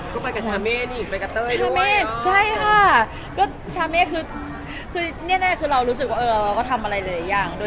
ก็ไปกับชาเม่นี่ไปกับเต้ยด้วย